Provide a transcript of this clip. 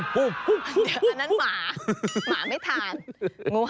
เดี๋ยวอันนั้นหมาหมาไม่ทาน